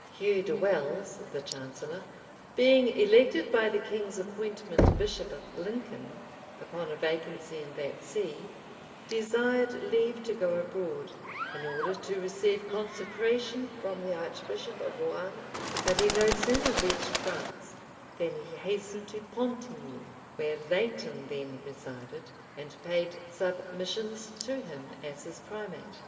] Hugh de Wells, the chancellor, being elected by the king's appointment bishop of Lincoln, upon a vacancy in that see, desired leave to go abroad, in order to receive consecration from the archbishop of Rouen; but he no sooner reached France, than he hastened to Pontigny, where Langton then resided, and paid submissions to him as his primate.